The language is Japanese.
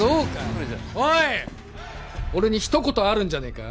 それじゃ俺にひと言あるんじゃねえか？